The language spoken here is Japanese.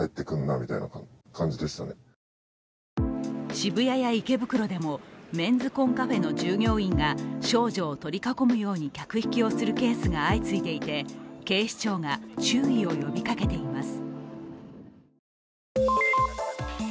渋谷や池袋でも、メンズコンカフェの従業員が少女を取り囲むように客引きをするケースが相次いでいて、警視庁が注意を呼びかけています。